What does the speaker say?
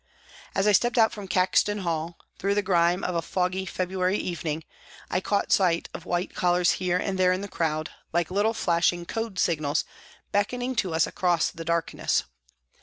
As I stepped out from Caxton Hall, through the grime of a foggy Februarj^ evening, I caught sight 44 PRISONS AND PRISONERS of white collars here and there in the crowd, like little flashing code signals beckoning to us across the darkness.